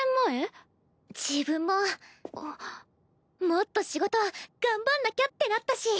もっと仕事頑張んなきゃってなったし。